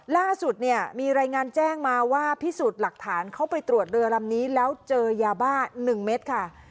ล่าสุดเนี่ยมีรายงานแจ้งมาว่าพิสูจน์หลักฐานเข้าไปตรวจเรือลำนี้แล้วเจอยาบ้า๑เม็ดค่ะ